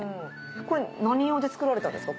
これ何用で作られたんですか？